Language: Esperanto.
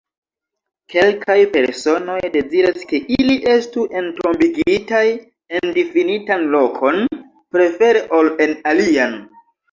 Kelkaj personoj deziras ke ili estu entombigitaj en difinitan lokon, prefere ol en alian.